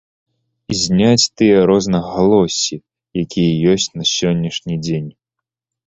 І зняць тыя рознагалоссі, якія ёсць на сённяшні дзень.